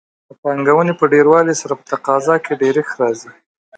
د پانګونې په ډېروالي سره په تقاضا کې ډېرښت راځي.